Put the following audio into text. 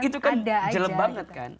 itu kan jelek banget kan